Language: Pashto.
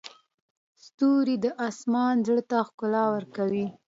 ستوري د اسمان زړه ته ښکلا ورکوي.